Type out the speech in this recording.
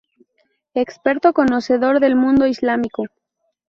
Experto conocedor del mundo islámico.